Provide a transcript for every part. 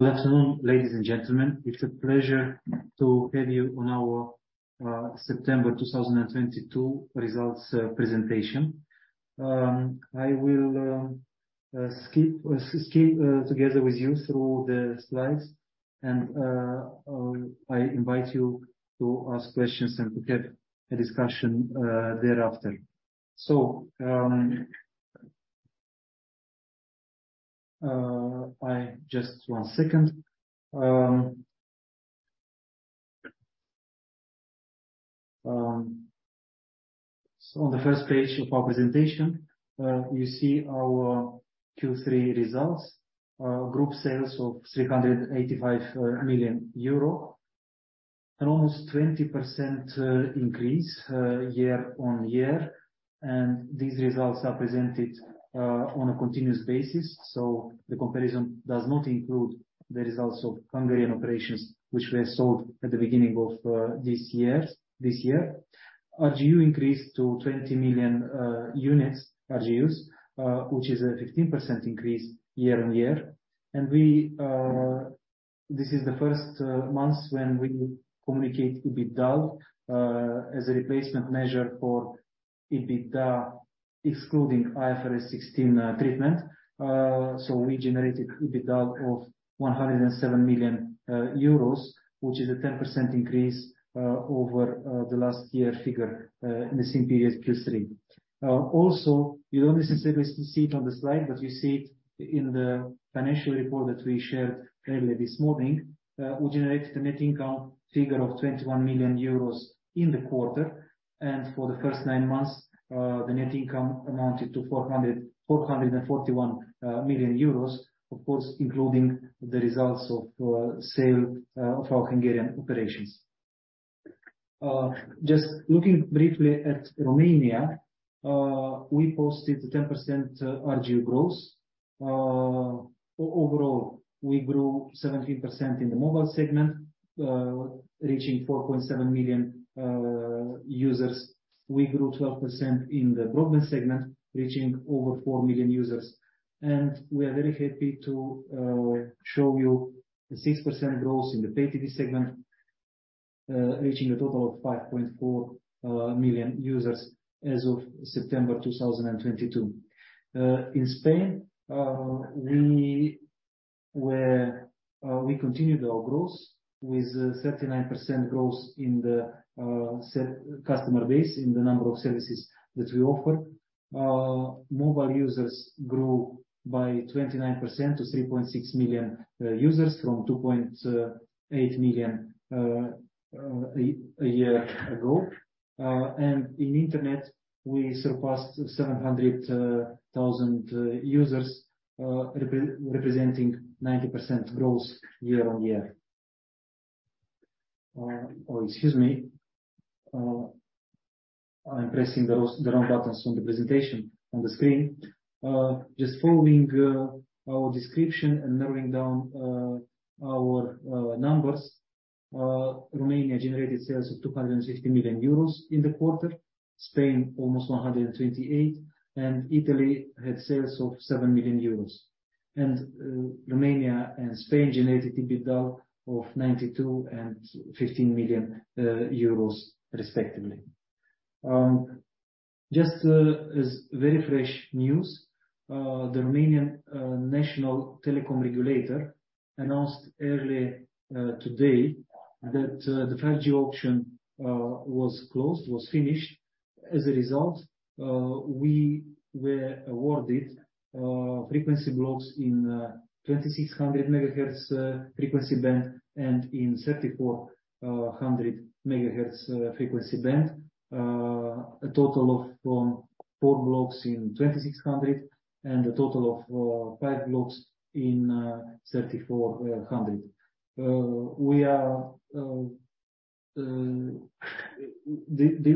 Good afternoon, ladies and gentlemen. It's a pleasure to have you on our September 2022 results presentation. I will skip together with you through the slides and I invite you to ask questions and to get a discussion thereafter. On the first page of our presentation, you see our Q3 results. Group sales of 385 million euro. An almost 20% increase year-over-year. These results are presented on a continuous basis. The comparison does not include the results of Hungarian operations, which were sold at the beginning of this year. RGU increased to 20 million units, RGUs, which is a 15% increase year-over-year. This is the first month when we communicate EBITDA as a replacement measure for EBITDA, excluding IFRS 16 treatment. We generated EBITDA of 107 million euros, which is a 10% increase over the last year figure in the same period Q3. Also, you don't necessarily see it on the slide, but you see it in the financial report that we shared earlier this morning. We generated a net income figure of 21 million euros in the quarter. For the first nine months, the net income amounted to 441 million euros, of course, including the results of sale of our Hungarian operations. Just looking briefly at Romania, we posted 10% RGU growth. Overall, we grew 17% in the mobile segment, reaching 4.7 million users. We grew 12% in the broadband segment, reaching over 4 million users. We are very happy to show you the 6% growth in the pay TV segment, reaching a total of 5.4 million users as of September 2022. In Spain, we continued our growth with 39% growth in the customer base in the number of services that we offer. Mobile users grew by 29% to 3.6 million users from 2.8 million a year ago. In internet, we surpassed 700,000 users, representing 90% growth year-over-year. Excuse me. I'm pressing the wrong buttons on the presentation on the screen. Just following our description and narrowing down our numbers, Romania generated sales of 260 million euros in the quarter, Spain almost 128 million, and Italy had sales of 7 million euros. Romania and Spain generated EBITDA of 92 million and 15 million euros respectively. Just as very fresh news, the Romanian national telecom regulator announced early today that the 5G auction was finished. As a result, we were awarded frequency blocks in 2,600 MHz frequency band and in 3,400 MHz frequency band. A total of four blocks in 2,600 and a total of five blocks in 3,400.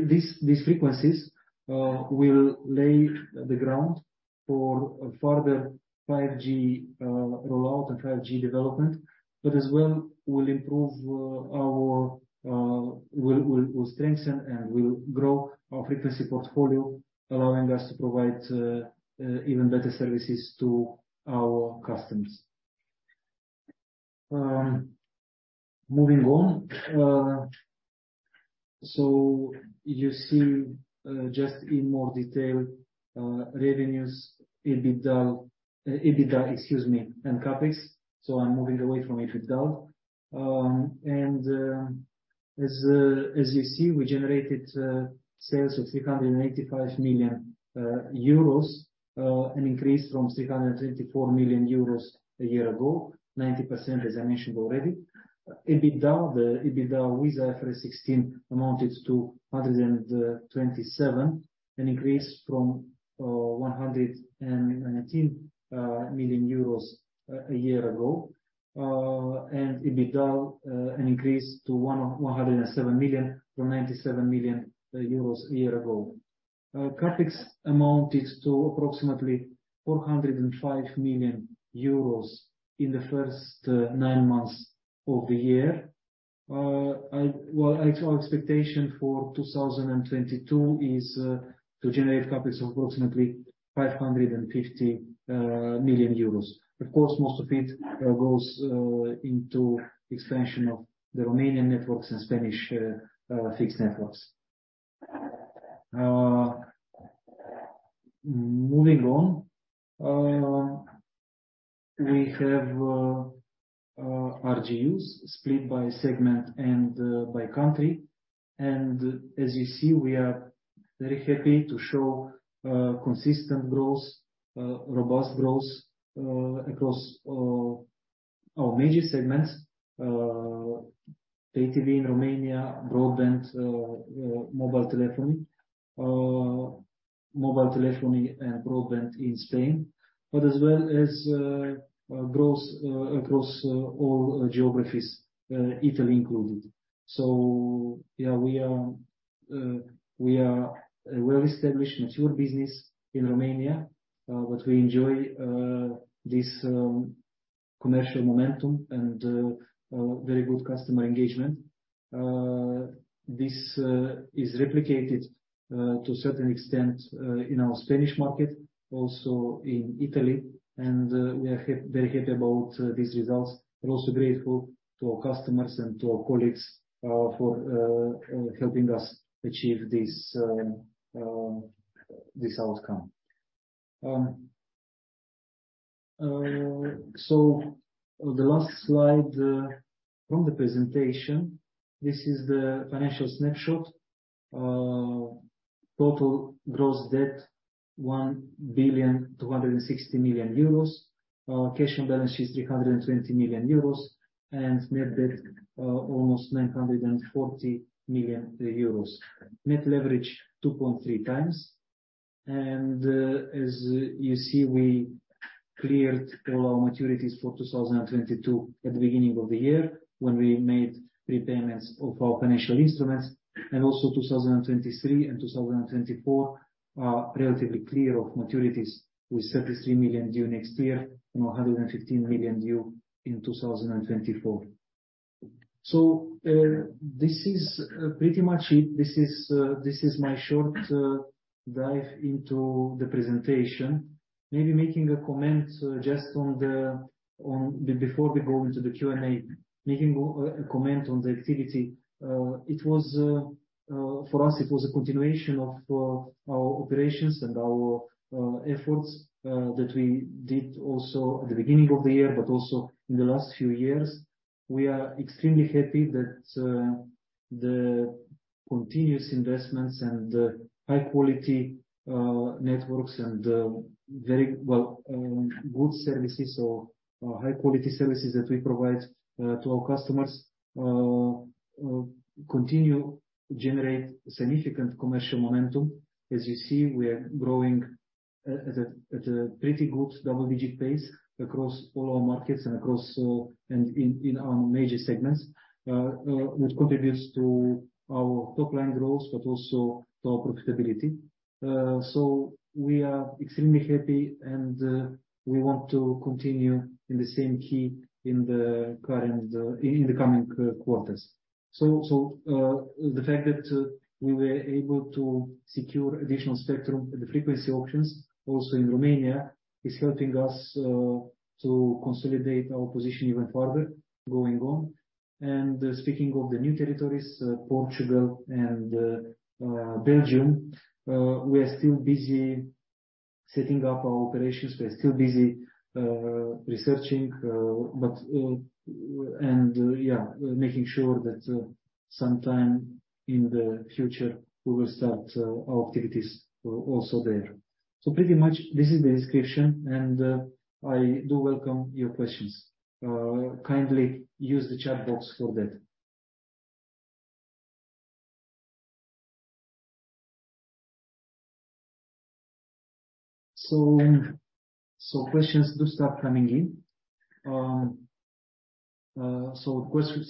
These frequencies will lay the ground for further 5G rollout and 5G development, but as well will improve our, will strengthen and will grow our frequency portfolio, allowing us to provide even better services to our customers. Moving on. You see just in more detail revenues, EBITDA, excuse me, and CapEx. I'm moving away from EBITDA. As you see, we generated sales of 385 million euros, an increase from 324 million euros a year ago, 90% as I mentioned already. The EBITDA with IFRS 16 amounted to 127 million, an increase from 119 million euros a year ago. EBITDA, an increase to 107 million from 97 million euros a year ago. CapEx amounted to approximately 405 million euros in the first nine months of the year. Well, our expectation for 2022 is to generate CapEx of approximately 550 million euros. Of course, most of it goes into expansion of the Romanian networks and Spanish fixed networks. Moving on. We have RGUs split by segment and by country. As you see, we are very happy to show consistent growth, robust growth across our major segments. Pay TV in Romania, broadband, mobile telephony and broadband in Spain. As well as growth across all geographies, Italy included. Yeah, we are a well-established mature business in Romania, but we enjoy this commercial momentum and very good customer engagement. This is replicated to a certain extent in our Spanish market, also in Italy. We are very happy about these results. We're also grateful to our customers and to our colleagues for helping us achieve this outcome. The last slide from the presentation, this is the financial snapshot. Total gross debt 1.26 billion. Our cash balance is 320 million euros, and net debt almost 940 million euros. Net leverage 2.3 x. As you see, we cleared all our maturities for 2022 at the beginning of the year when we made repayments of our financial instruments. 2023 and 2024 are relatively clear of maturities with 33 million due next year and 115 million due in 2024. This is pretty much it. This is my short dive into the presentation. Maybe making a comment just on the before we go into the Q&A. Making a comment on the activity. For us, it was a continuation of our operations and our efforts that we did also at the beginning of the year, but also in the last few years. We are extremely happy that the continuous investments and the high quality networks and high quality services that we provide to our customers continue to generate significant commercial momentum. As you see, we are growing at a pretty good double-digit pace across all our markets and in our major segments, which contributes to our top-line growth, but also to our profitability. We are extremely happy and we want to continue in the same vein in the coming quarters. The fact that we were able to secure additional spectrum at the frequency auctions also in Romania is helping us to consolidate our position even further going forward. Speaking of the new territories, Portugal and Belgium, we are still busy setting up our operations. We're still busy researching, but and yeah, making sure that sometime in the future we will start our activities also there. Pretty much this is the description, and I do welcome your questions. Kindly use the chat box for that. Questions do start coming in.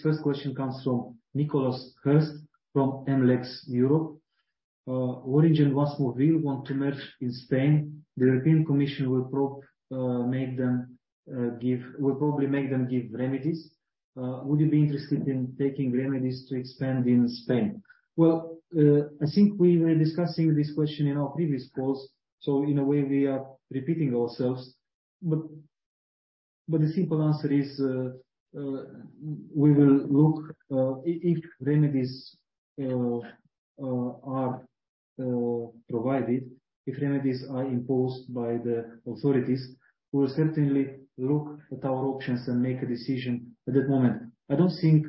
First question comes from Nicholas Hurst from Amlex Europe. Orange and Másmóvil want to merge in Spain. The European Commission will probably make them give remedies. Would you be interested in taking remedies to expand in Spain? Well, I think we were discussing this question in our previous calls. In a way, we are repeating ourselves. The simple answer is, we will look if remedies are provided, if remedies are imposed by the authorities, we'll certainly look at our options and make a decision at that moment. I don't think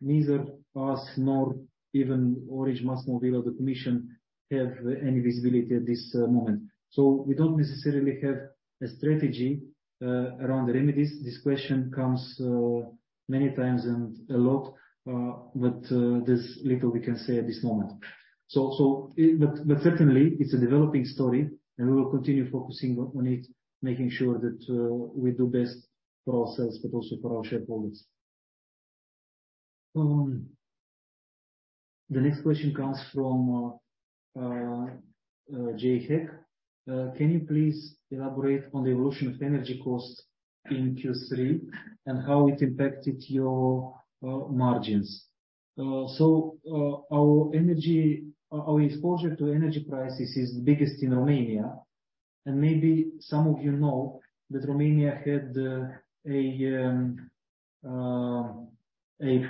neither us nor even Orange, Másmóvil, or the Commission have any visibility at this moment. We don't necessarily have a strategy around the remedies. This question comes many times and a lot, there's little we can say at this moment. Certainly it's a developing story, and we will continue focusing on it, making sure that we do best for ourselves, but also for our shareholders. The next question comes from Jay Heck. Can you please elaborate on the evolution of energy cost in Q3 and how it impacted your margins? Our exposure to energy prices is biggest in Romania, and maybe some of you know that Romania had a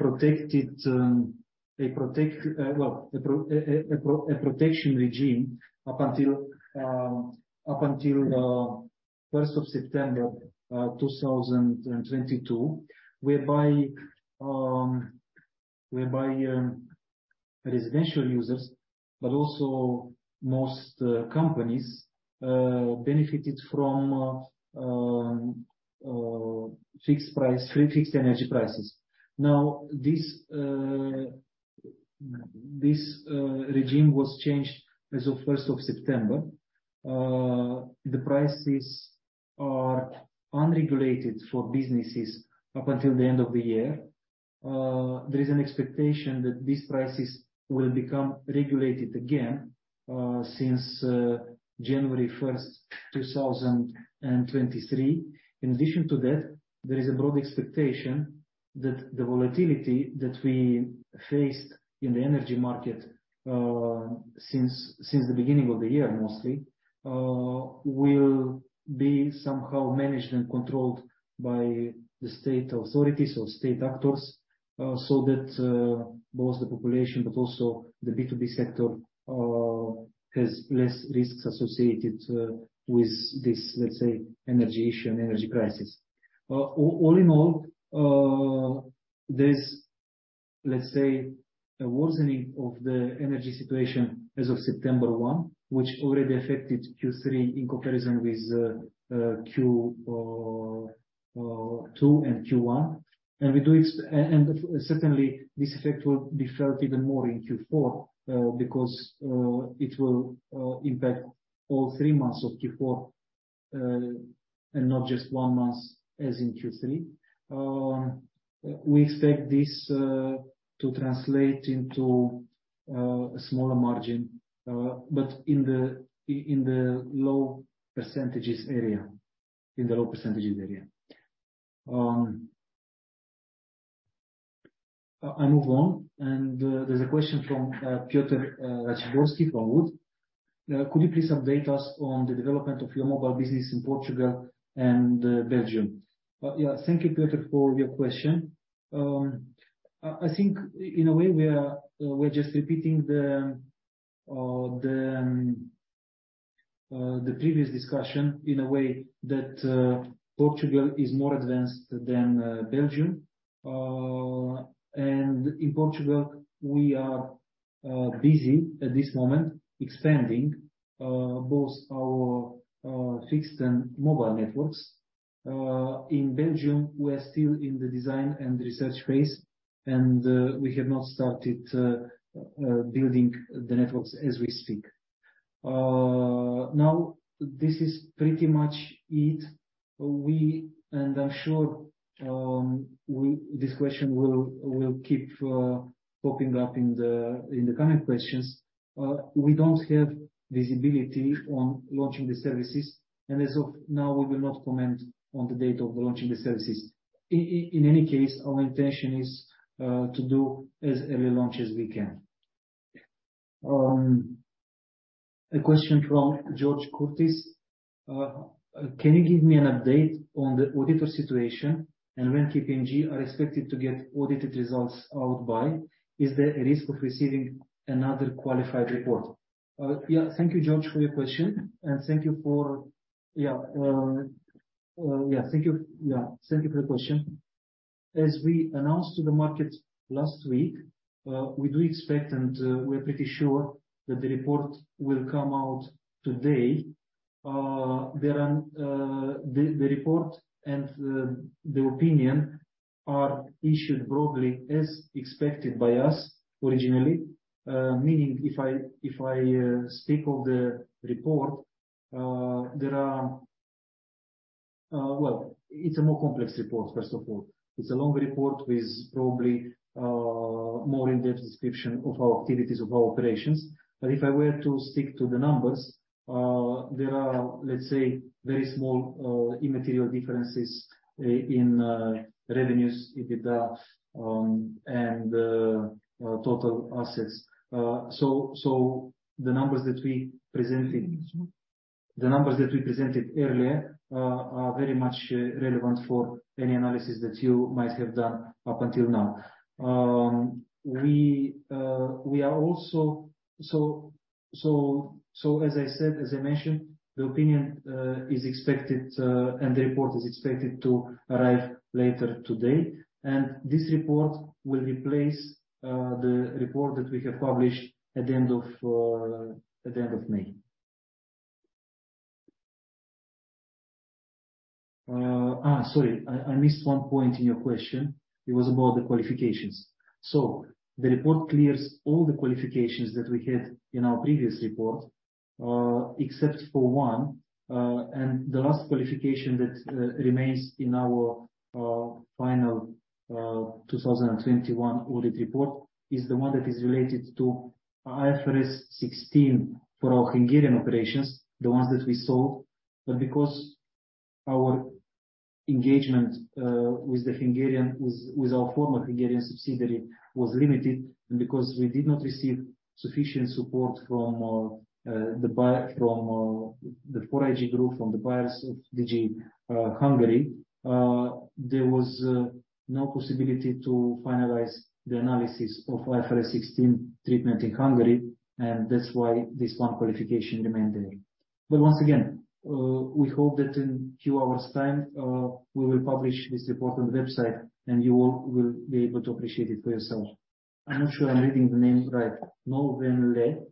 protection regime up until first of September 2022, whereby residential users, but also most companies, benefited from fixed price fixed energy prices. Now, this regime was changed as of first of September. The prices are unregulated for businesses up until the end of the year. There is an expectation that these prices will become regulated again since January first 2023. In addition to that, there is a broad expectation that the volatility that we faced in the energy market, since the beginning of the year, mostly, will be somehow managed and controlled by the state authorities or state actors, so that both the population but also the B2B sector has less risks associated with this, let's say, energy issue and energy crisis. All in all, there's let's say, a worsening of the energy situation as of September 1, which already affected Q3 in comparison with Q2 and Q1. Certainly this effect will be felt even more in Q4, because it will impact all three months of Q4, and not just one month as in Q3. We expect this to translate into a smaller margin, but in the low percentages area. I move on. There's a question from Piotr Raciborski from Wood. Could you please update us on the development of your mobile business in Portugal and Belgium? Yeah, thank you, Piotr, for your question. I think in a way we're just repeating the previous discussion in a way that Portugal is more advanced than Belgium. In Portugal, we are busy at this moment expanding both our fixed and mobile networks. In Belgium, we are still in the design and research phase, and we have not started building the networks as we speak. Now this is pretty much it. This question will keep popping up in the coming questions. We don't have visibility on launching the services. As of now, we will not comment on the date of launching the services. In any case, our intention is to do as early launch as we can. A question from George Curtis. Can you give me an update on the auditor situation and when KPMG are expected to get audited results out by? Is there a risk of receiving another qualified report? Yeah, thank you, George, for your question. Thank you for the question. As we announced to the market last week, we do expect and we're pretty sure that the report will come out today. The report and the opinion are issued broadly as expected by us originally. Meaning if I speak of the report, well, it's a more complex report, first of all. It's a long report with probably more in-depth description of our activities, of our operations. If I were to stick to the numbers, there are, let's say, very small immaterial differences in revenues, EBITDA, and total assets. The numbers that we presented earlier are very much relevant for any analysis that you might have done up until now. We are also. As I said, as I mentioned, the opinion is expected, and the report is expected to arrive later today. This report will replace the report that we have published at the end of May. Sorry, I missed one point in your question. It was about the qualifications. The report clears all the qualifications that we had in our previous report. Except for one, and the last qualification that remains in our final 2021 audit report is the one that is related to IFRS 16 for our Hungarian operations, the ones that we sold. Because our engagement with our former Hungarian subsidiary was limited, and because we did not receive sufficient support from the buyer from the 4iG Group, from the buyers of Digi Hungary, there was no possibility to finalize the analysis of IFRS 16 treatment in Hungary, and that's why this one qualification remained there. Once again, we hope that in a few hours time we will publish this report on the website, and you all will be able to appreciate it for yourself. I'm not sure I'm reading the name right. Noel Venlet.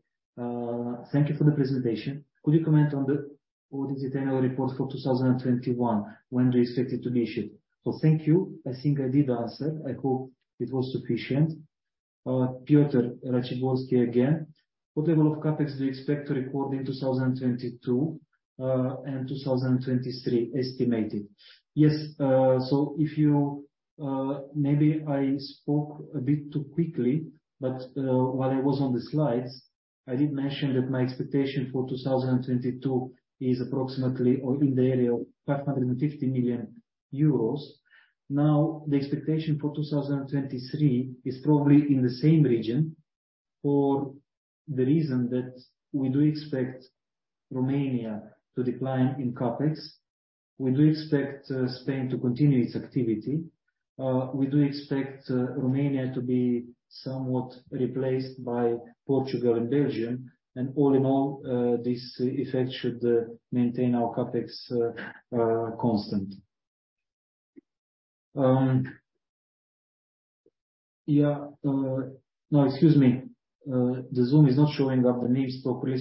Thank you for the presentation. Could you comment on the audited annual report for 2021? When do you expect it to be issued? Well, thank you. I think I did answer. I hope it was sufficient. Piotr Raciborski again. What level of CapEx do you expect to record in 2022, and 2023 estimated? Yes. So if you maybe I spoke a bit too quickly, but while I was on the slides, I did mention that my expectation for 2022 is approximately or in the area of 550 million euros. Now, the expectation for 2023 is probably in the same region for the reason that we do expect Romania to decline in CapEx. We do expect Spain to continue its activity. We do expect Romania to be somewhat replaced by Portugal and Belgium. All in all, this effect should maintain our CapEx constant. Excuse me. The Zoom is not showing up the names properly,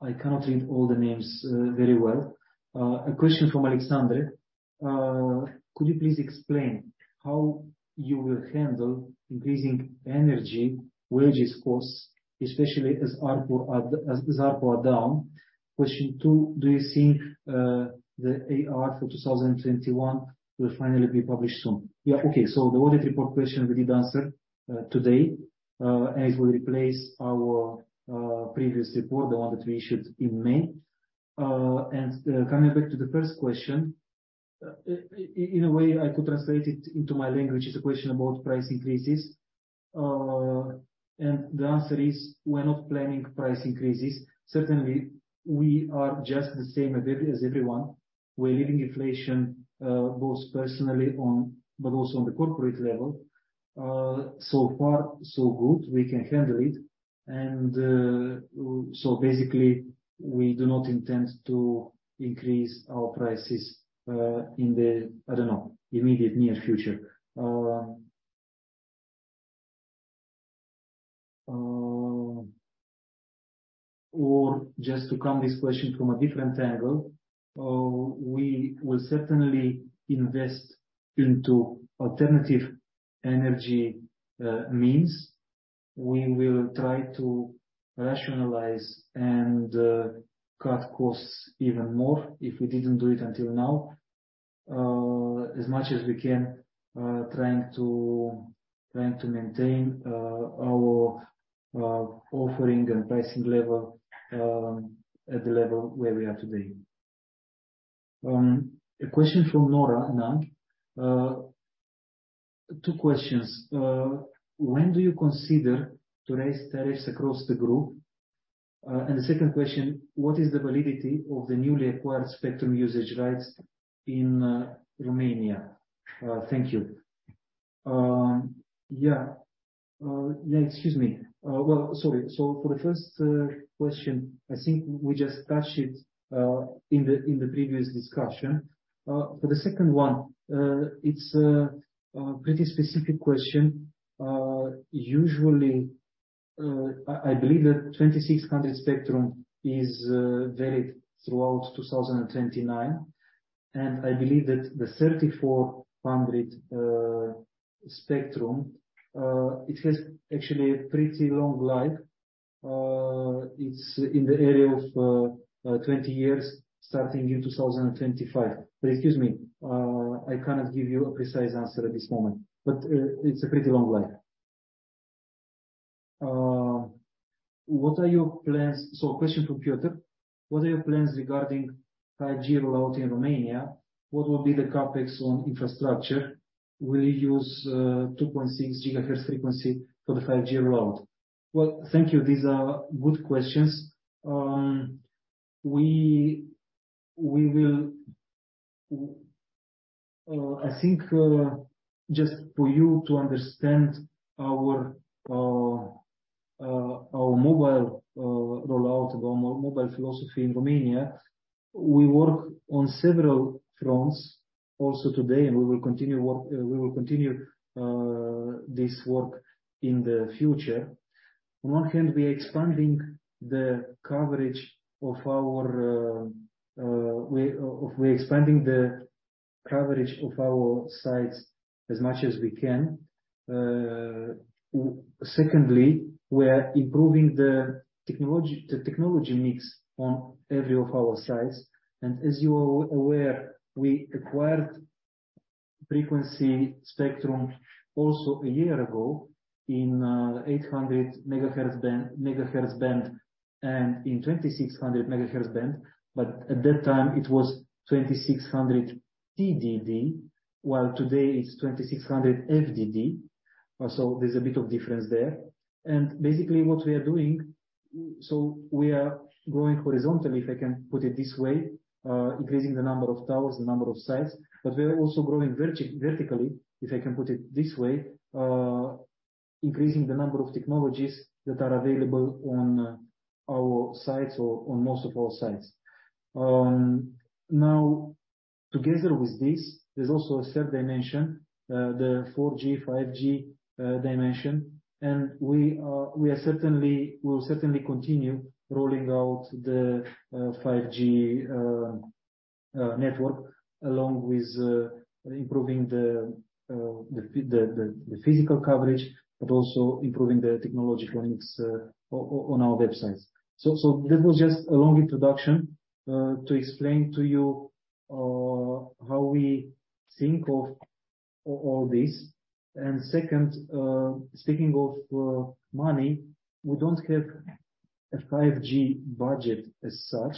I cannot read all the names very well. A question from Alexandre. Could you please explain how you will handle increasing energy and wage costs, especially as ARPU are down. Question two, do you think the AR for 2021 will finally be published soon? Yeah. Okay. The audit report question we did answer today, and it will replace our previous report, the one that we issued in May. Coming back to the first question, in a way I could translate it into my language, it's a question about price increases. The answer is we're not planning price increases. Certainly, we are just the same as everyone. We're living with inflation, both personally and on the corporate level. So far so good. We can handle it. So basically, we do not intend to increase our prices in the, I don't know, immediate near future. Or just to come to this question from a different angle, we will certainly invest into alternative energy means. We will try to rationalize and cut costs even more if we didn't do it until now, as much as we can, trying to maintain our offering and pricing level at the level where we are today. A question from Nora Nan. Two questions. When do you consider to raise tariffs across the group? And the second question, what is the validity of the newly acquired spectrum usage rights in Romania? Thank you. For the first question, I think we just touched it in the previous discussion. For the second one, it's a pretty specific question. Usually, I believe that 2600 spectrum is valid throughout 2029. I believe that the 3400 spectrum, it has actually a pretty long life. It's in the area of 20 years starting in 2025. Excuse me, I cannot give you a precise answer at this moment, but it's a pretty long life. Question from Peter. What are your plans regarding 5G rollout in Romania? What will be the CapEx on infrastructure? Will you use 2.6 gigahertz frequency for the 5G rollout? Well, thank you. These are good questions. We will, I think, just for you to understand our mobile rollout, our mobile philosophy in Romania. We work on several fronts also today, and we will continue this work in the future. On one hand, we are expanding the coverage of our sites as much as we can. Secondly, we are improving the technology mix on every one of our sites. As you are aware, we acquired frequency spectrum also a year ago in 800 megahertz band and in 2,600 megahertz band. At that time it was 2,600 TDD, while today it's 2,600 FDD. There's a bit of difference there. Basically what we are doing, so we are growing horizontally, if I can put it this way. Increasing the number of towers, the number of sites. We are also growing vertically, if I can put it this way. Increasing the number of technologies that are available on our sites or most of our sites. Now together with this, there's also a third dimension, the 4G/5G dimension. We will certainly continue rolling out the 5G network along with improving the physical coverage, but also improving the technological mix on our sites. That was just a long introduction to explain to you how we think of all this. Second, speaking of money, we don't have a 5G budget as such.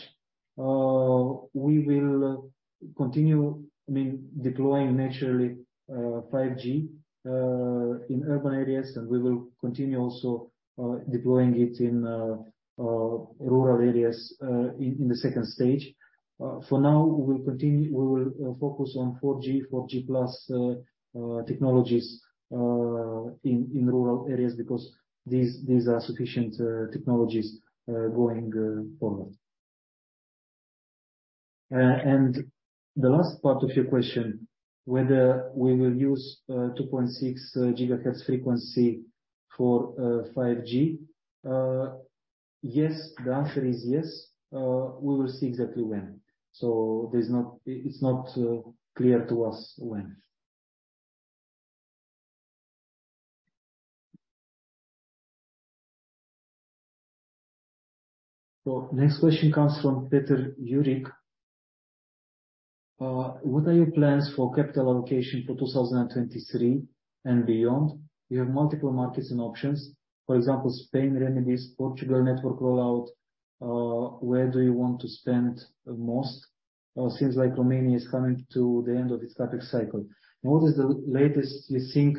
We will continue, I mean, deploying naturally 5G in urban areas, and we will continue also deploying it in rural areas in the second stage. For now we will focus on 4G+ technologies in rural areas because these are sufficient technologies going forward. The last part of your question, whether we will use 2.6 gigahertz frequency for 5G. Yes. The answer is yes. We will see exactly when. It's not clear to us when. Next question comes from Peter Jurik. What are your plans for capital allocation for 2023 and beyond? You have multiple markets and options. For example, Spain remedies, Portugal network rollout. Where do you want to spend the most? Seems like Romania is coming to the end of its CapEx cycle. What is the latest you think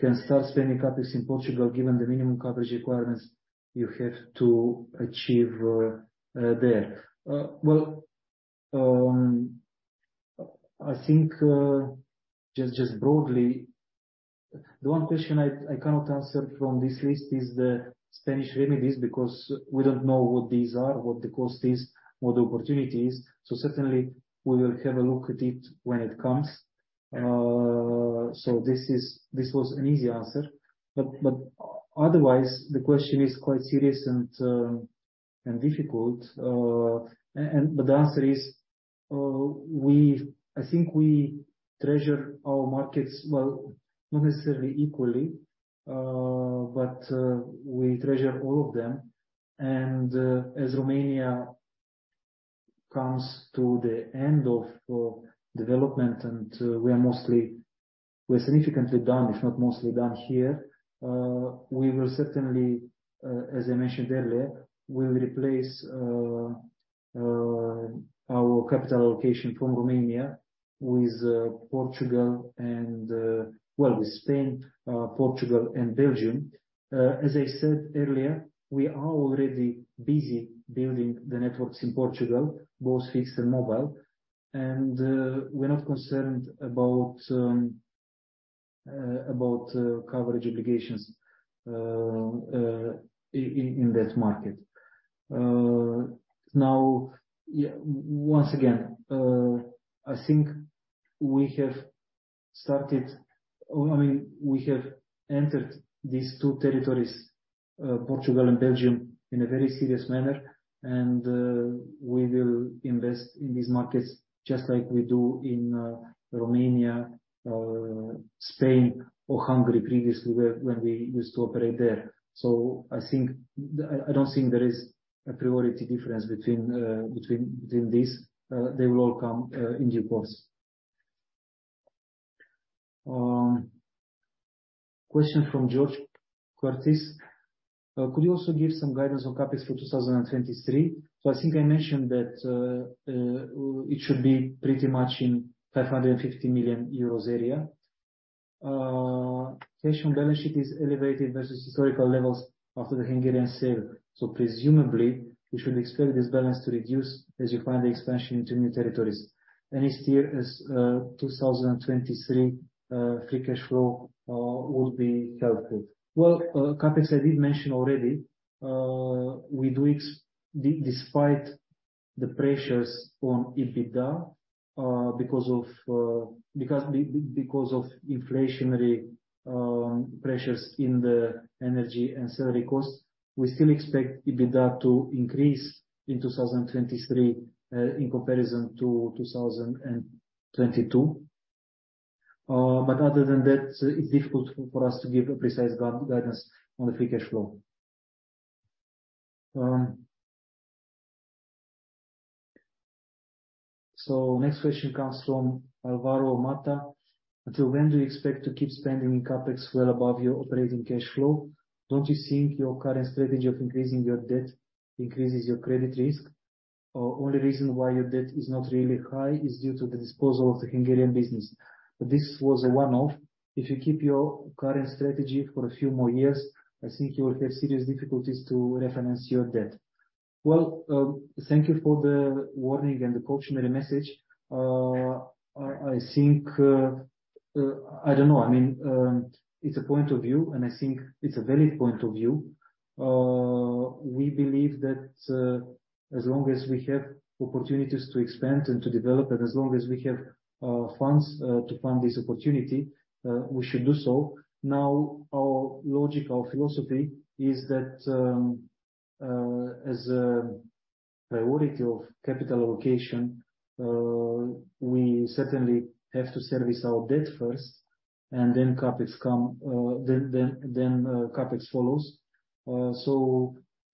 can start spending CapEx in Portugal, given the minimum coverage requirements you have to achieve there? I think just broadly, the one question I cannot answer from this list is the Spanish remedies, because we don't know what these are, what the cost is, what the opportunity is. Certainly we will have a look at it when it comes. This was an easy answer. Otherwise, the question is quite serious and difficult. The answer is, I think we treasure our markets, well, not necessarily equally, but we treasure all of them. As Romania comes to the end of development, and we are mostly—we're significantly done, if not mostly done here, we will certainly, as I mentioned earlier, we'll replace our capital allocation from Romania with Portugal and, well, with Spain, Portugal and Belgium. As I said earlier, we are already busy building the networks in Portugal, both fixed and mobile. We're not concerned about coverage obligations in that market. Once again, I think we have started, I mean, we have entered these two territories, Portugal and Belgium, in a very serious manner. We will invest in these markets just like we do in Romania, Spain or Hungary previously, where when we used to operate there. I think I don't think there is a priority difference between these. They will all come in due course. Question from George Curtis. Could you also give some guidance on CapEx for 2023? I think I mentioned that it should be pretty much in the 550 million euros area. Cash on balance sheet is elevated versus historical levels after the Hungarian sale. Presumably we should expect this balance to reduce as you fund the expansion into new territories. This year is 2023, free cash flow will be helpful. CapEx, I did mention already, we do despite the pressures on EBITDA, because of inflationary pressures in the energy and salary costs. We still expect EBITDA to increase in 2023, in comparison to 2022. Other than that, it's difficult for us to give a precise guidance on the free cash flow. Next question comes from Alvaro Mata. Until when do you expect to keep spending in CapEx well above your operating cash flow? Don't you think your current strategy of increasing your debt increases your credit risk? Only reason why your debt is not really high is due to the disposal of the Hungarian business. This was a one-off. If you keep your current strategy for a few more years, I think you will have serious difficulties to refinance your debt. Well, thank you for the warning and the cautionary message. I think I don't know. I mean, it's a point of view, and I think it's a valid point of view. We believe that as long as we have opportunities to expand and to develop, and as long as we have funds to fund this opportunity, we should do so. Now, our logic, our philosophy is that as a priority of capital allocation, we certainly have to service our debt first, and then CapEx follows.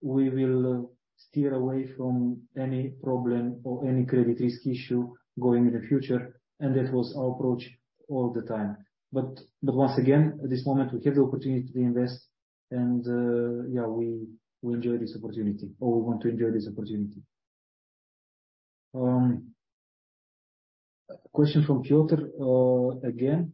We will steer away from any problem or any credit risk issue going in the future, and that was our approach all the time. Once again, at this moment, we have the opportunity to invest and we enjoy this opportunity, or we want to enjoy this opportunity. A question from Piotr, again.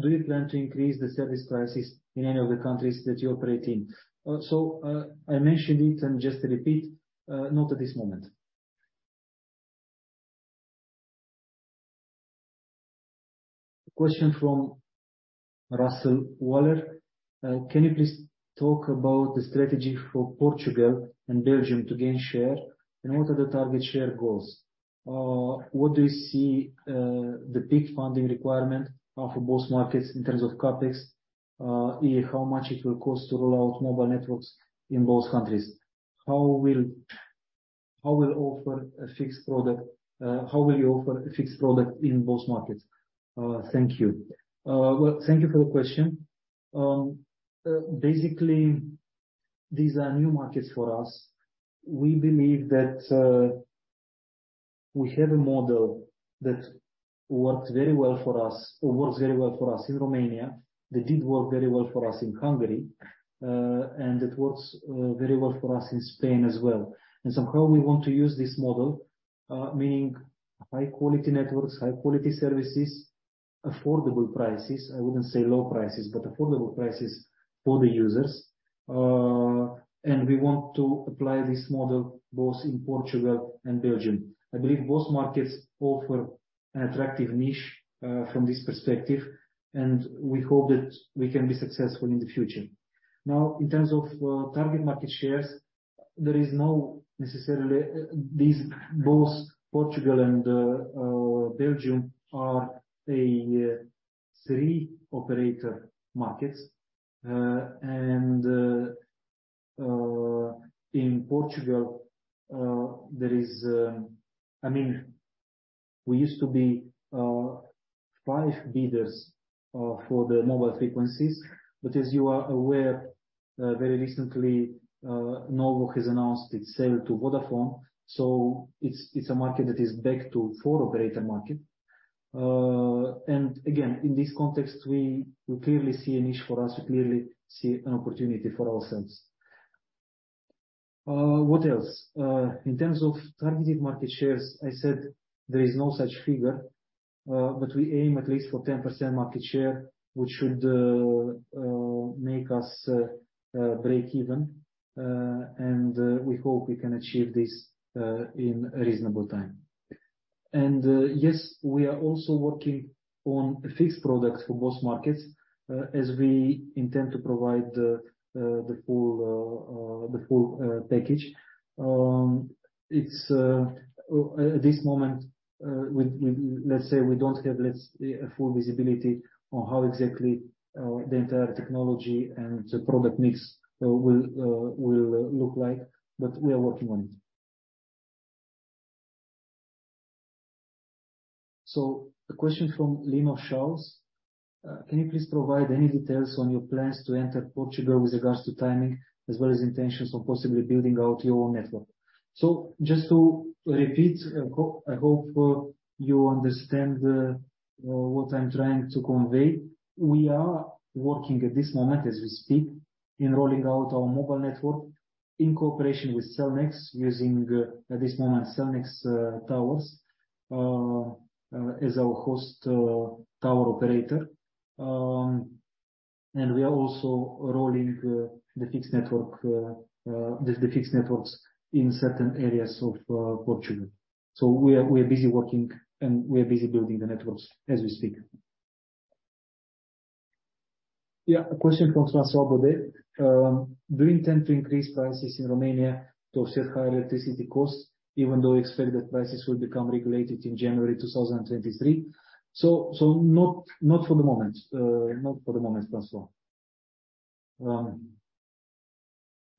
Do you plan to increase the service prices in any of the countries that you operate in? I mentioned it and just repeat, not at this moment. A question from Russell Waller. Can you please talk about the strategy for Portugal and Belgium to gain share, and what are the target share goals? What do you see, the peak funding requirement, for both markets in terms of CapEx? i.e., how much it will cost to roll out mobile networks in both countries? How will you offer a fixed product in both markets? Thank you. Well, thank you for the question. Basically, these are new markets for us. We believe that we have a model that works very well for us in Romania. That did work very well for us in Hungary. It works very well for us in Spain as well. Somehow we want to use this model, meaning high quality networks, high quality services, affordable prices. I wouldn't say low prices, but affordable prices for the users. We want to apply this model both in Portugal and Belgium. I believe both markets offer an attractive niche, from this perspective, and we hope that we can be successful in the future. Now, in terms of target market shares, both Portugal and Belgium are three-operator markets. In Portugal, I mean, we used to be five bidders for the mobile frequencies. As you are aware, very recently, Nowo has announced its sale to Vodafone. It's a market that is back to four-operator market. Again, in this context, we clearly see a niche for us. We clearly see an opportunity for ourselves. What else? In terms of targeted market shares, I said there is no such figure, but we aim at least for 10% market share, which should make us breakeven. We hope we can achieve this in a reasonable time. We are also working on fixed products for both markets, as we intend to provide the full package. At this moment, let's say we don't have full visibility on how exactly the entire technology and the product mix will look like, but we are working on it. A question from Lima Charles. Can you please provide any details on your plans to enter Portugal with regards to timing, as well as intentions on possibly building out your own network? Just to repeat, I hope you understand what I'm trying to convey. We are working at this moment, as we speak, in rolling out our mobile network in cooperation with Cellnex, using at this moment, Cellnex towers as our host tower operator. We are also rolling the fixed networks in certain areas of Portugal. We are busy working and we are busy building the networks as we speak. Yeah. A question from François Baudet. Do you intend to increase prices in Romania to offset higher electricity costs, even though you expect that prices will become regulated in January 2023? Not for the moment. Not for the moment, François.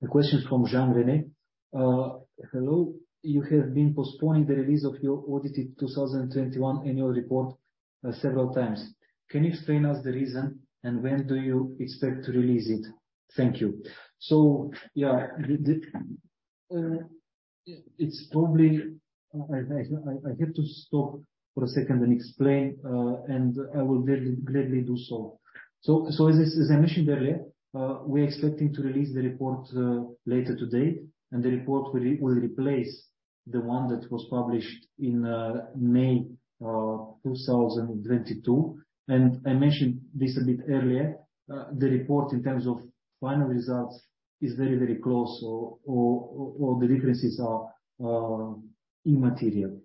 A question from Jean-René. Hello. You have been postponing the release of your audited 2021 annual report several times. Can you explain to us the reason, and when do you expect to release it? Thank you. It's probably. I have to stop for a second and explain, and I will gladly do so. As I mentioned earlier, we're expecting to release the report later today, and the report will replace the one that was published in May 2022. I mentioned this a bit earlier. The report in terms of final results is very close or the differences are immaterial.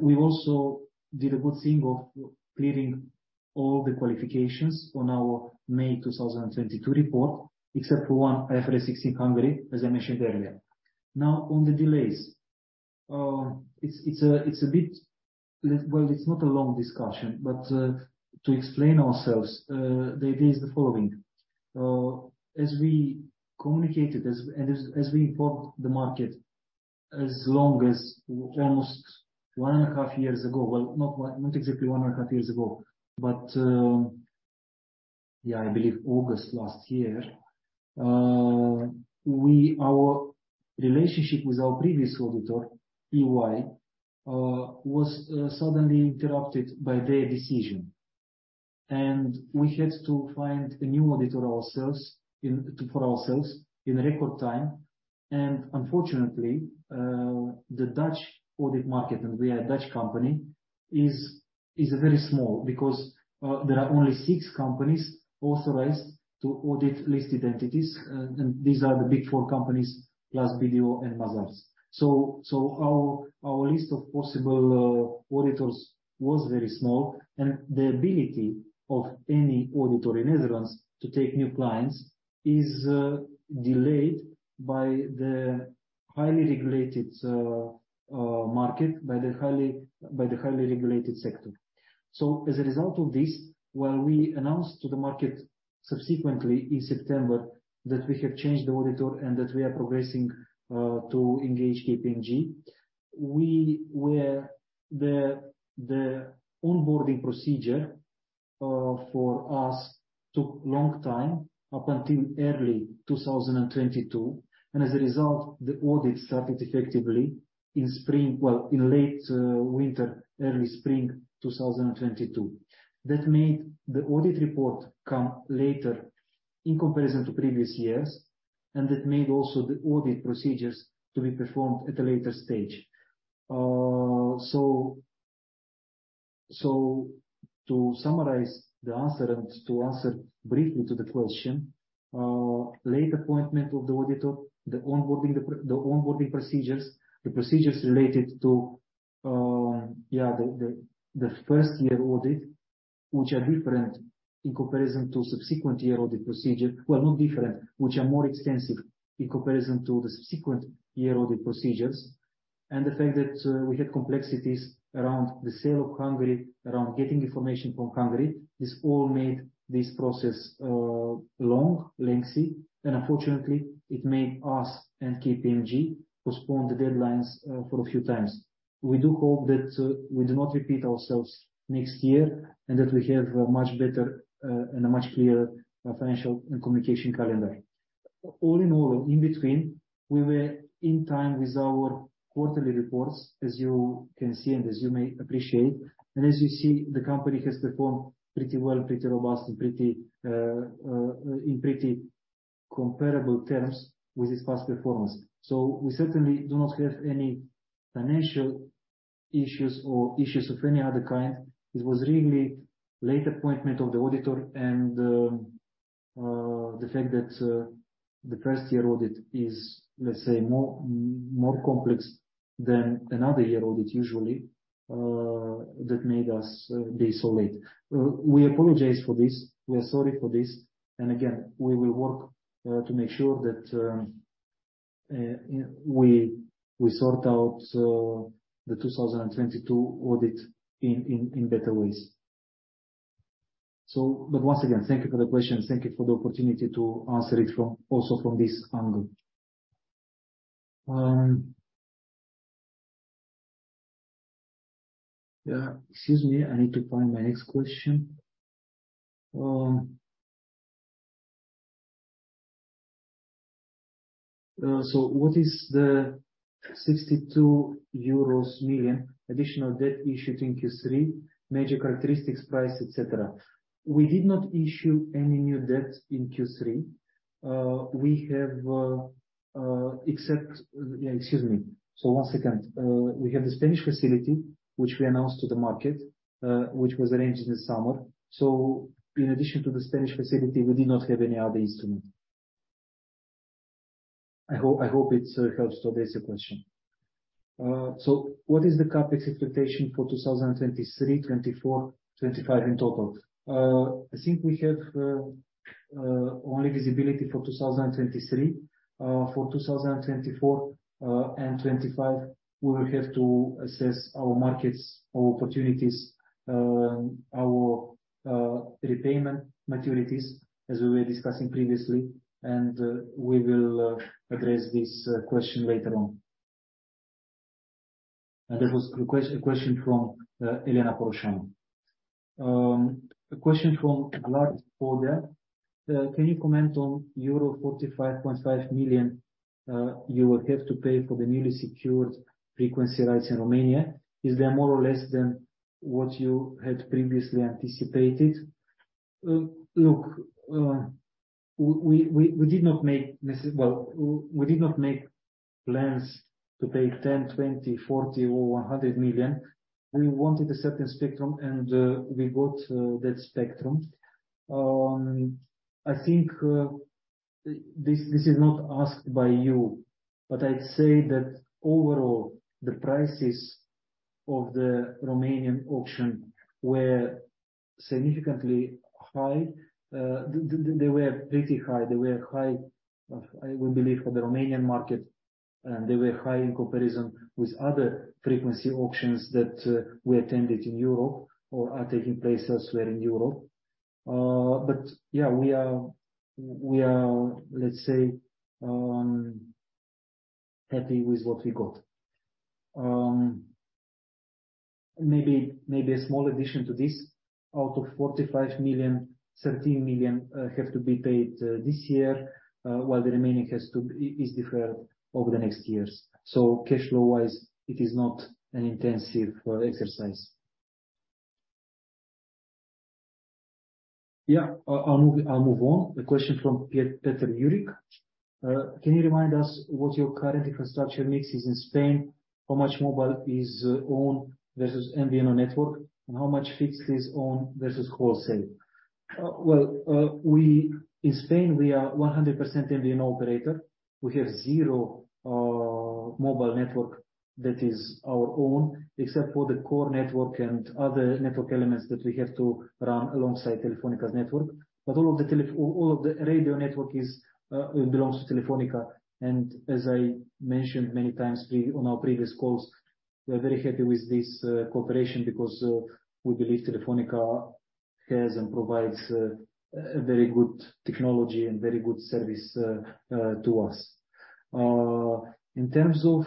We also did a good thing of clearing all the qualifications on our May 2022 report, except for one IFRS 16 Hungary, as I mentioned earlier. Now on the delays. It's a bit. Well, it's not a long discussion, but to explain ourselves, the idea is the following. As we communicated, as we informed the market, as long ago as almost one and a half years ago, well, not exactly one and a half years ago, but I believe August last year. Our relationship with our previous auditor, EY, was suddenly interrupted by their decision. We had to find a new auditor ourselves in record time. Unfortunately, the Dutch audit market, and we are a Dutch company, is very small because there are only six companies authorized to audit listed entities. These are the Big Four companies, plus BDO and Mazars. Our list of possible auditors was very small, and the ability of any auditor in the Netherlands to take new clients is delayed by the highly regulated sector. As a result of this, while we announced to the market subsequently in September that we have changed the auditor and that we are progressing to engage KPMG. The onboarding procedure for us took long time, up until early 2022, and as a result, the audit started effectively in spring, well, in late winter, early spring 2022. That made the audit report come later in comparison to previous years, and it made also the audit procedures to be performed at a later stage. So, to summarize the answer and to answer briefly to the question, late appointment of the auditor, the onboarding procedures, the procedures related to the first-year audit, which are different in comparison to subsequent year audit procedure. Well, not different, which are more extensive in comparison to the subsequent year audit procedures. The fact that we had complexities around the sale of Hungary, around getting information from Hungary, this all made this process long, lengthy, and unfortunately, it made us and KPMG postpone the deadlines for a few times. We do hope that we do not repeat ourselves next year, and that we have a much better and a much clearer financial and communication calendar. All in all, in between, we were in time with our quarterly reports, as you can see and as you may appreciate. As you see, the company has performed pretty well, pretty robust, and in pretty comparable terms with its past performance. We certainly do not have any financial issues or issues of any other kind. It was really late appointment of the auditor and the fact that the first-year audit is, let's say, more complex than another year audit usually, that made us be so late. We apologize for this. We are sorry for this. Again, we will work to make sure that we sort out the 2022 audit in better ways. But once again, thank you for the question. Thank you for the opportunity to answer it from, also from this angle. Yeah. Excuse me, I need to find my next question. What is the 62 million euros additional debt issued in Q3, major characteristics, price, etc.? We did not issue any new debt in Q3. We have except, yeah, excuse me. One second. We have the Spanish facility, which we announced to the market, which was arranged in the summer. In addition to the Spanish facility, we did not have any other instrument. I hope it helps to address the question. What is the CapEx expectation for 2023, 2024, 2025 in total? I think we have only visibility for 2023. For 2024 and 2025, we will have to assess our markets, our opportunities, our repayment maturities, as we were discussing previously, and we will address this question later on. That was a question from Elena Iacob. A question from Vlad Popa. Can you comment on euro 45.5 million you will have to pay for the newly secured frequency rights in Romania. Is there more or less than what you had previously anticipated? We did not make plans to pay 10 million, 20 million, 40 million or 100 million. We wanted a certain spectrum, and we got that spectrum. I think this is not asked by you, but I'd say that overall the prices of the Romanian auction were significantly high. They were pretty high. They were high, I would believe for the Romanian market, and they were high in comparison with other frequency auctions that we attended in Europe or are taking place elsewhere in Europe. Yeah, we are let's say happy with what we got. Maybe a small addition to this. Out of 45 million, 13 million have to be paid this year, while the remaining is deferred over the next years. Cash flow wise, it is not an intensive exercise. Yeah. I'll move on. The question from Peter, can you remind us what your current infrastructure mix is in Spain? How much mobile is owned versus MVNO network, and how much fixed is owned versus wholesale? In Spain we are 100% MVNO operator. We have zero mobile network that is our own, except for the core network and other network elements that we have to run alongside Telefónica's network. But all of the radio network belongs to Telefónica. As I mentioned many times on our previous calls, we are very happy with this cooperation because we believe Telefónica has and provides a very good technology and very good service to us. In terms of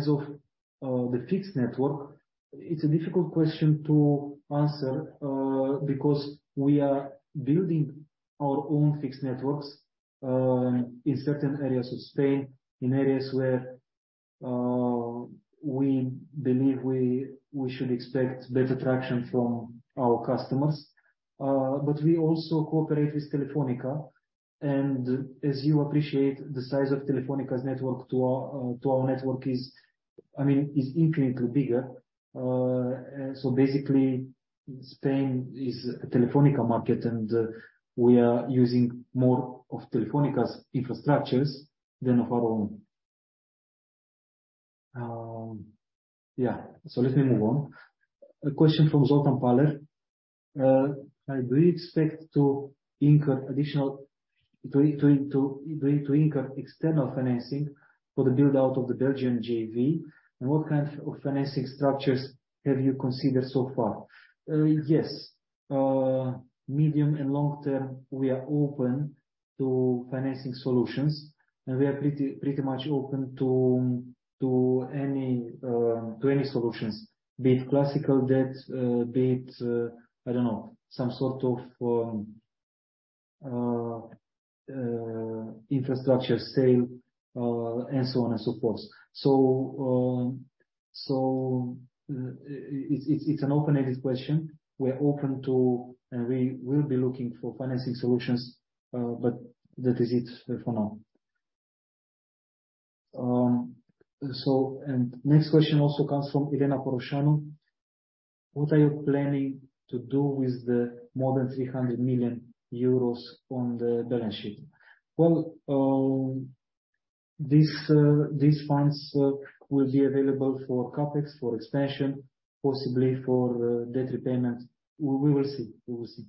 the fixed network, it's a difficult question to answer because we are building our own fixed networks in certain areas of Spain, in areas where we believe we should expect better traction from our customers. We also cooperate with Telefónica, and as you appreciate, the size of Telefónica's network to our network is, I mean, infinitely bigger. Basically Spain is a Telefónica market, and we are using more of Telefónica's infrastructures than of our own. Let me move on. A question from Zoltán Pálfy. Are we expected to incur additional external financing for the build-out of the Belgian JV, and what kind of financing structures have you considered so far? Yes. Medium and long term, we are open to financing solutions, and we are pretty much open to any solutions, be it classical debt, be it, I don't know, some sort of infrastructure sale, and so on and so forth. It's an open-ended question. We are open to, and we will be looking for financing solutions, but that is it for now. Next question also comes from Elena Iacob. What are you planning to do with the more than 300 million euros on the balance sheet? Well, these funds will be available for CapEx, for expansion, possibly for debt repayment. We will see.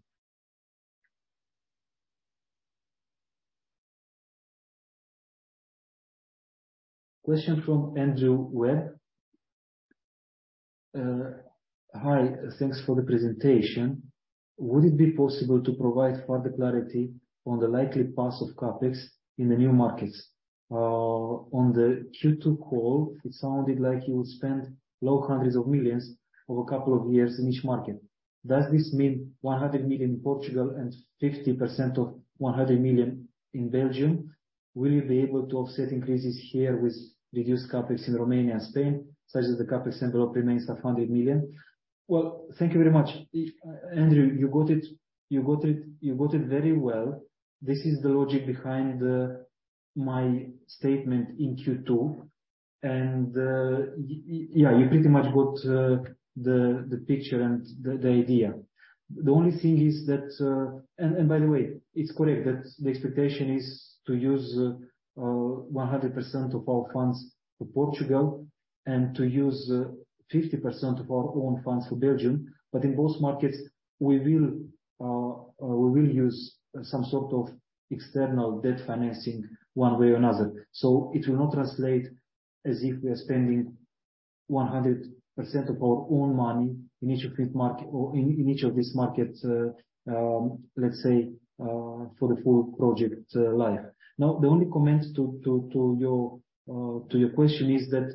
Question from Andrew Webb. Hi. Thanks for the presentation. Would it be possible to provide further clarity on the likely path of CapEx in the new markets? On the Q2 call, it sounded like you will spend EUR low hundreds of millions over a couple of years in each market. Does this mean 100 million in Portugal and 50% of 100 million in Belgium? Will you be able to offset increases here with reduced CapEx in Romania and Spain, such that the CapEx envelope remains at 100 million? Well, thank you very much. Andrew, you got it very well. This is the logic behind my statement in Q2. Yeah, you pretty much got the picture and the idea. The only thing is that by the way, it's correct that the expectation is to use 100% of our funds for Portugal and to use 50% of our own funds for Belgium. In both markets, we will use some sort of external debt financing one way or another. It will not translate as if we are spending 100% of our own money in each of these markets, let's say, for the full project life. The only comment to your question is that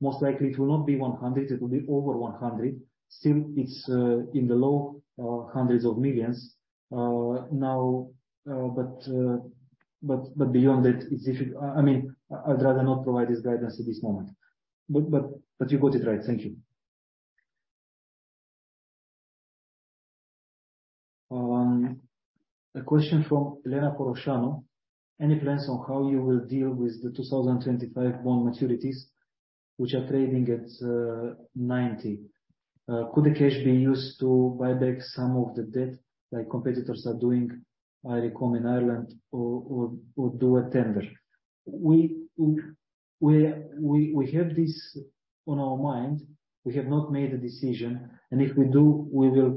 most likely it will not be 100%, it will be over 100%. Still, it's in the low hundreds of millions EUR. Now, beyond that, it's difficult. I mean, I'd rather not provide this guidance at this moment. You got it right. Thank you. A question from Lena Corrosano: Any plans on how you will deal with the 2025 bond maturities which are trading at 90? Could the cash be used to buy back some of the debt like competitors are doing, Eircom in Ireland, or do a tender? We have this on our mind. We have not made a decision, and if we do, we will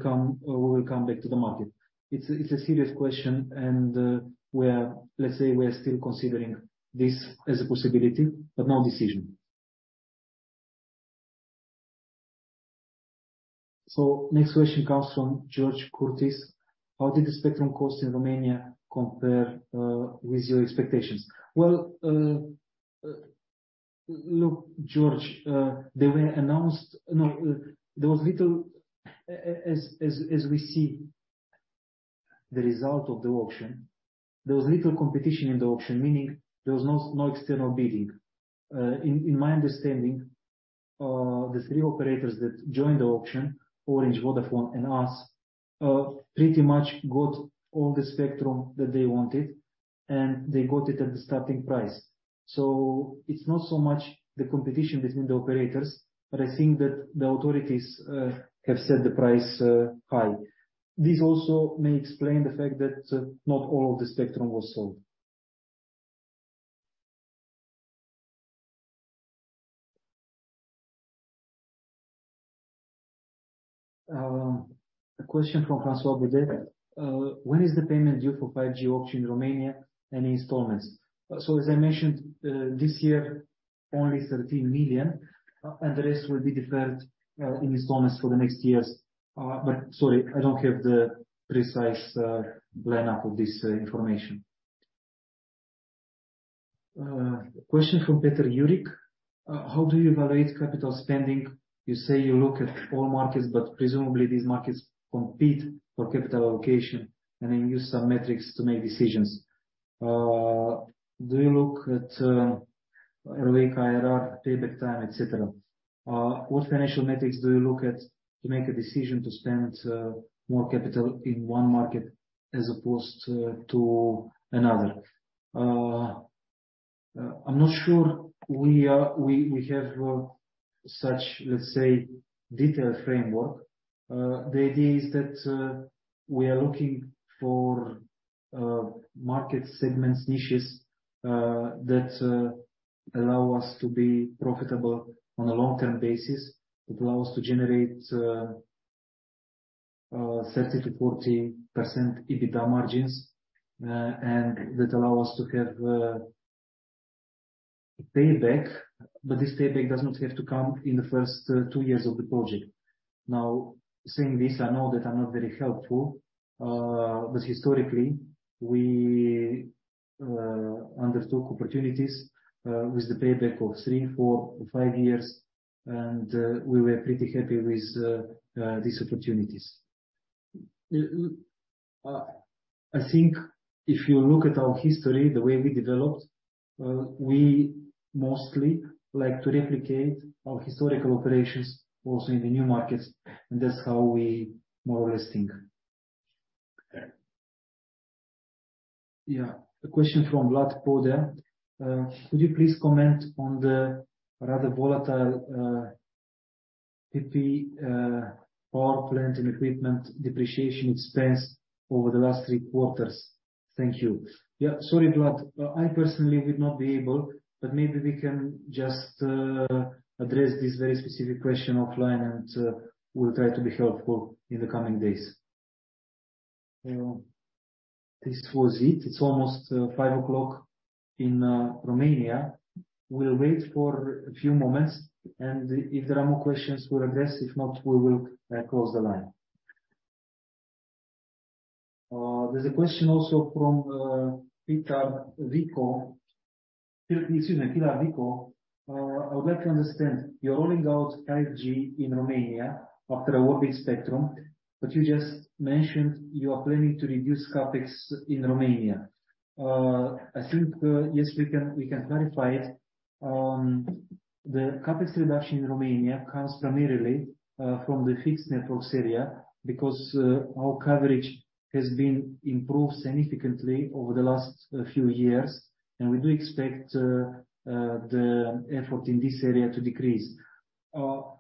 come back to the market. It's a serious question, and let's say we are still considering this as a possibility, but no decision. Next question comes from George Curtis: How did the spectrum cost in Romania compare with your expectations? Look, George, there was little competition in the auction, as we see the result of the auction, there was little competition in the auction, meaning there was no external bidding. In my understanding, the three operators that joined the auction, Orange, Vodafone and us, pretty much got all the spectrum that they wanted, and they got it at the starting price. It's not so much the competition between the operators, but I think that the authorities have set the price high. This also may explain the fact that not all of the spectrum was sold. A question from François Baudet: When is the payment due for 5G auction in Romania? Any installments? As I mentioned, this year, only 13 million, and the rest will be deferred in installments for the next years. Sorry, I don't have the precise lineup of this information. Question from Peter Jurik: How do you evaluate capital spending? You say you look at all markets, but presumably these markets compete for capital allocation, and you use some metrics to make decisions. Do you look at ROIC, IRR, payback time, et cetera? What financial metrics do you look at to make a decision to spend more capital in one market as opposed to another? I'm not sure we have such, let's say, detailed framework. The idea is that we are looking for market segments, niches that allow us to be profitable on a long-term basis. It allows to generate 30%-40% EBITDA margins, and that allow us to have payback, but this payback does not have to come in the first two years of the project. Now, saying this, I know that I'm not very helpful, but historically, we undertook opportunities with the payback of three, four, five years, and we were pretty happy with these opportunities. I think if you look at our history, the way we developed, we mostly like to replicate our historical operations also in the new markets, and that's how we more or less think. Yeah. A question from Vlad Popa: Could you please comment on the rather volatile, PP&E, property, plant, and equipment depreciation expense over the last three quarters? Thank you. Yeah. Sorry, Vlad. I personally would not be able, but maybe we can just address this very specific question offline, and we'll try to be helpful in the coming days. This was it. It's almost five o'clock in Romania. We'll wait for a few moments, and if there are more questions, we'll address. If not, we will close the line. There's a question also from Pilar Vico. Excuse me, Pilar Vico. I would like to understand, you're rolling out 5G in Romania after awarding spectrum, but you just mentioned you are planning to reduce CapEx in Romania. I think, yes, we can, we can clarify it. The CapEx reduction in Romania comes primarily from the fixed networks area because our coverage has been improved significantly over the last few years, and we do expect the effort in this area to decrease.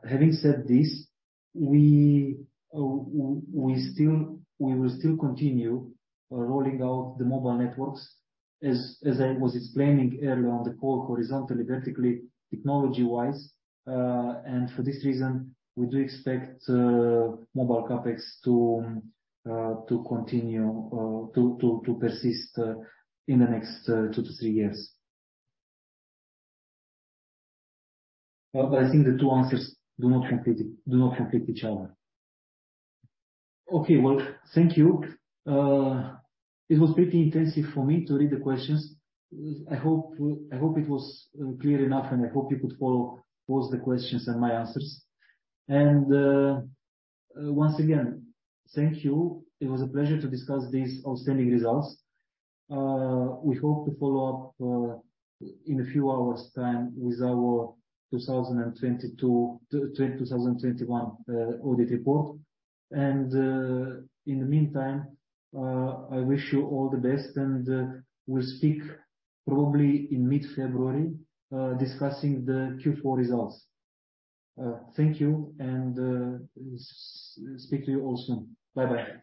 Having said this, we will still continue rolling out the mobile networks as I was explaining earlier on the call horizontally, vertically, technology-wise. For this reason, we do expect mobile CapEx to persist in the next 2-3 years. I think the two answers do not conflict each other. Okay. Well, thank you. It was pretty intensive for me to read the questions. I hope it was clear enough, and I hope you could follow both the questions and my answers. Once again, thank you. It was a pleasure to discuss these outstanding results. We hope to follow up in a few hours' time with our 2021 audit report. In the meantime, I wish you all the best, and we'll speak probably in mid-February discussing the Q4 results. Thank you, and speak to you all soon. Bye-bye.